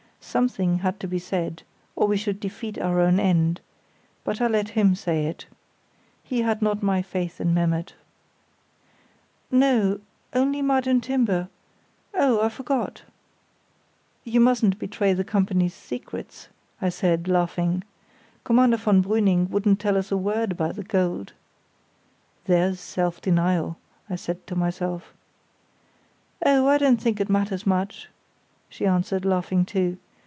Something had to be said or we should defeat our own end; but I let him say it. He had not my faith in Memmert. "No, only mud and timber—oh, I forgot——" "You mustn't betray the company's secrets," I said, laughing; "Commander von Brüning wouldn't tell us a word about the gold." ("There's self denial!" I said to myself.) "Oh, I don't think it matters much," she answered, laughing too.